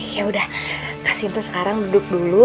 ya udah kak sinta sekarang duduk dulu